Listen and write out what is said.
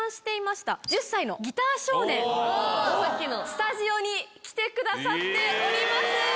スタジオに来てくださっております。